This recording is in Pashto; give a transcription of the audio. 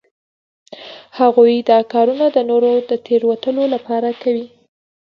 هغوی دا کارونه د نورو د تیروتلو لپاره کوي